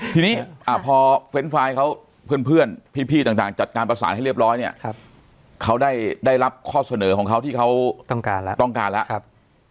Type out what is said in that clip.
ทีนี้พอเฟรนด์ฟายเพื่อนพี่จัดการพรษาให้เรียบร้อยเนี่ยเขาได้รับข้อเสนอของเขาที่เขาต้องการแล้ว